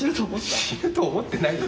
死ぬと思ってないです。